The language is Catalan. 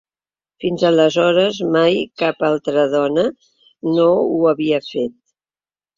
Fins aleshores mai cap altra dona no ho havia fet.